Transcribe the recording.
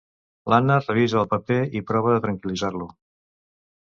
L'Anna revisa el paper i prova de tranquil·litzar-lo.